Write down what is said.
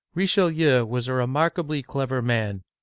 Richelieu was a remarkably clever man.